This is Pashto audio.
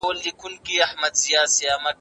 هغه محمود ته د صوفي صافي ضمیر لقب ورکړ.